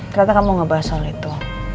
ternyata kamu ngebahas soal itu